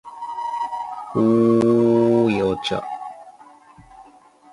此为官方网站的记载顺序。